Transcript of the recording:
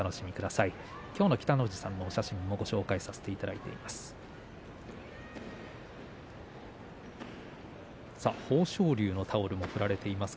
きょうの北の富士さんのお写真もご紹介させていただいています。